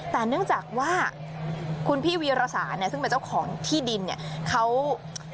แต่เนื่องจากว่าคุณพี่วีรสารเนี่ยซึ่งเป็นเจ้าของที่ดินเนี่ยเขา